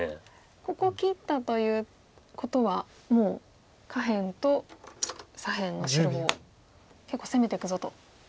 ここ切ったということはもう下辺と左辺の白も結構攻めていくぞと。